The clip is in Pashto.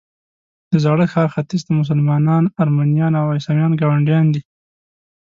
د زاړه ښار ختیځ ته مسلمانان، ارمنیان او عیسویان ګاونډیان دي.